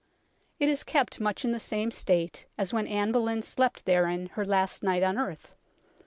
It is kept much in the same state as when Anne Boleyn slept therein her last night on earth.